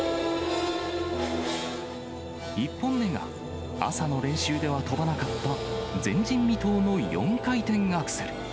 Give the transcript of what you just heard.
１本目が、朝の練習では跳ばなかった、前人未到の４回転アクセル。